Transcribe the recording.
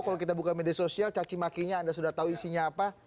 kalau kita buka media sosial cacimakinya anda sudah tahu isinya apa